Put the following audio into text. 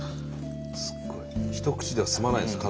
すごい一口では済まないんですね